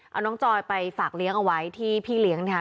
เอาน้องจอยไปฝากเลี้ยงเอาไว้ที่พี่เลี้ยงนะคะ